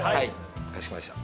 かしこまりました。